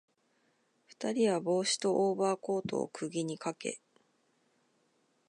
二人は帽子とオーバーコートを釘にかけ、